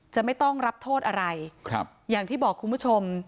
จะต้องรับโทษอะไรครับอย่างที่บอกคุณผู้ชม